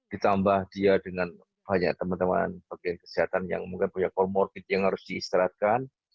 ditambah dia dengan banyak teman teman bagian kesehatan yang mungkin banyak comorbid yang harus diistirahatkan